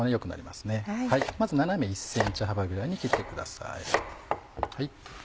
まず斜め１ｃｍ幅ぐらいに切ってください。